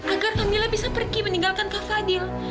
agar namila bisa pergi meninggalkan kak fadil